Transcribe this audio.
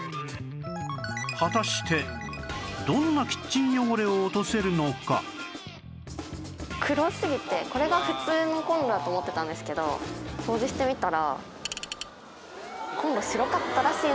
果たして黒すぎてこれが普通のコンロだと思ってたんですけど掃除してみたら。